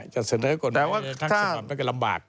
จะเสนอกฎหมายทั้งสภาพมันก็จะลำบาก